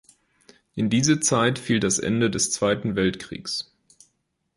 In diese Zeit fiel das Ende des Zweiten Weltkrieges.